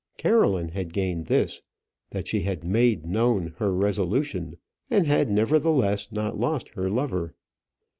Caroline had gained this, that she had made known her resolution, and had, nevertheless, not lost her lover.